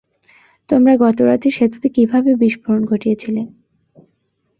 তোমরা গত রাতে সেতুতে কীভাবে বিস্ফোরণ ঘটিয়েছিলে?